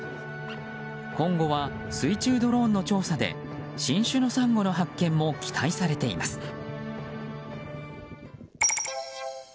今後は水中ドローンの調査で新種のサンゴの発見も期待されています。